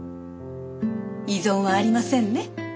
異存はありませんね？